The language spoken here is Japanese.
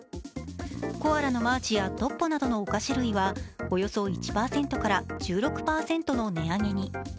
コアラのマーチやトッポなどのお菓子類はおよそ１％から１６％の値上げに。